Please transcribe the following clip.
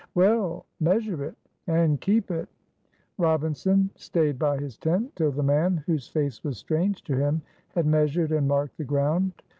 "Well, measure it and keep it." Robinson stayed by his tent till the man, whose face was strange to him, had measured and marked the ground.